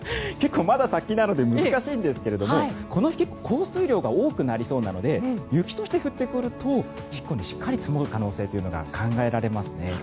結構まだ先なので難しいんですがこの日、結構降水量が多くなりそうなので雪として降ってくるとしっかり積もる可能性が考えられますね。